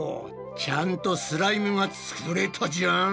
ちゃんとスライムが作れたじゃん！